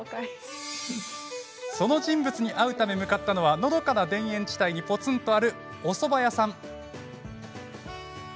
その人物に会うため向かったのはのどかな田園地帯にぽつんとあるおそば屋さん。